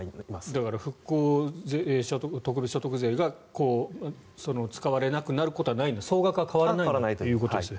だから復興特別所得税が使われなくなることはない総額は変わらないんだということですね。